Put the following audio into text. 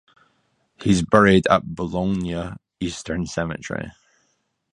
He is buried at Boulogne Eastern Cemetery.